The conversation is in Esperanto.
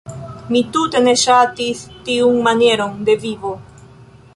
Mi tute ne ŝatis tiun manieron de vivo.